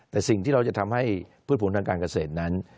แต่สิ่งที่เราจะทำให้พืชผลทางการเกษตรนั้น